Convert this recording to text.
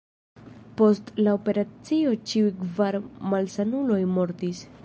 Post la operacio ĉiuj kvar malsanuloj mortis.